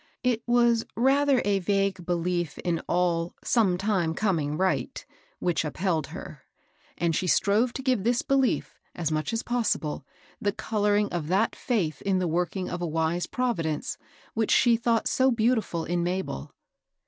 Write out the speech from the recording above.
It was rather a vague belief in all " sometime coming right,'* which up held her ; and she strove to give this belief, as much as possible, the coloring of that faith in the work ing of a wise Providence, which she thought so beautifiil in Mabel.